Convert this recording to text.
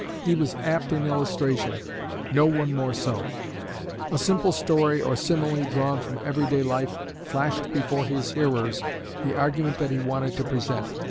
He was apt in illustration no one more so. A simple story or simile drawn from every day life flashed before his hearers the argument that he wanted to present.